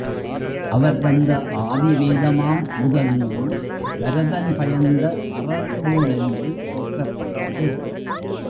அவர் தந்த ஆதிவேதமாம் முதல் நூல் வரதன் பயந்த அறநூலென்று போற்றப்பட்டது.